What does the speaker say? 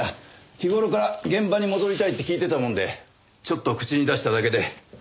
日頃から現場に戻りたいって聞いてたもんでちょっと口に出しただけで。